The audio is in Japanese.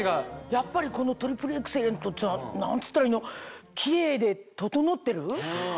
やっぱりこのトリプルエクセレントっていうのは何ていったらいいのキレイで整ってる？